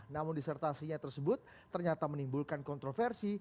namun disertasinya tersebut ternyata menimbulkan kontroversi